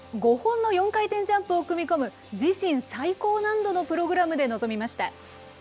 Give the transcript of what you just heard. ５本の４回転ジャンプを組み込む、自身最高難度のプログラムで臨みました。